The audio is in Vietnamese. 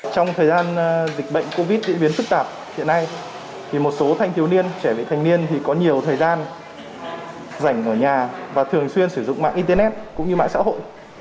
trong thời gian dịch bệnh covid diễn biến phức tạp hiện nay thì một số thanh thiếu niên trẻ vị thành niên thì có nhiều thời gian rảnh ở nhà và thường xuyên sử dụng mạng internet cũng như mạng xã hội